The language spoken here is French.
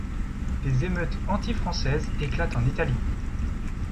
Des émeutes anti-françaises éclatent en Italie.